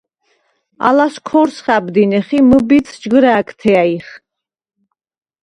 ალას ქორს ხა̈ბდინეხ ი მჷბიდს ჯგჷრა̄̈გთე ა̈ჲხ.